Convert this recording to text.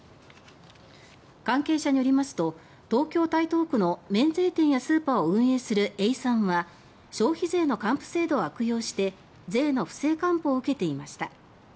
関係者によりますと東京・台東区の免税店やスーパーを運営する永山は消費税の還付制度を悪用して税の不正還付を受けていました。